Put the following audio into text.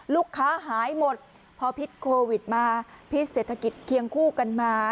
ลูกค้าหายหมดพอพิษโควิดมาพิษเศรษฐกิจเคียงคู่กันมา